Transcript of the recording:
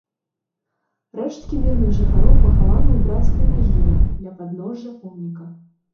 Рэшткі мірных жыхароў пахаваны ў брацкай магіле ля падножжа помніка.